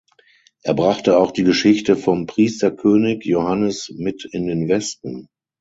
Er brachte auch die Geschichte vom Priesterkönig Johannes mit in den Westen.